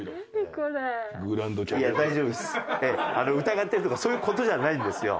疑ってるとかそういう事じゃないんですよ。